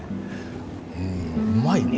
うんうまいね。